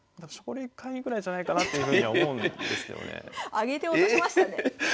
上げて落としましたね。